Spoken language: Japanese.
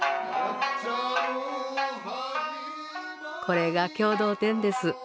これが共同店です。